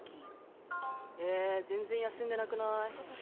「えー全然休んでなくなーい？」